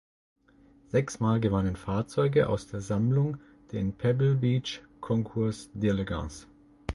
Sechsmal gewannen Fahrzeuge aus der Sammlung den Pebble Beach Concours d’Elegance.